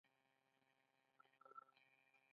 نجلۍ له خندا ارام راوړي.